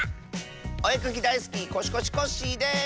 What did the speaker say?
おえかきだいすきコシコシコッシーです！